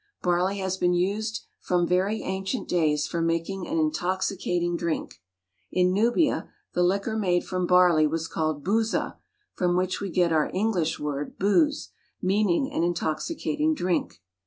Barley has been used from very ancient days for making an intoxicating drink. In Nubia, the liquor made from barley was called Bouzah, from which we get our English word "booze," meaning an intoxicating drink.